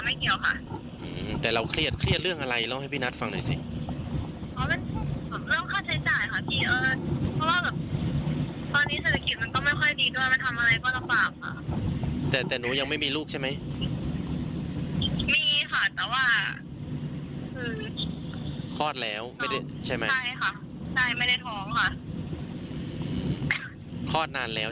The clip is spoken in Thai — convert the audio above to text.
แล้วกับแฟนเก่านี้ก็คือก็ไม่ได้คุยกันเลยตั้งแต่เรามีลูกนู้นใช่ไหมครับ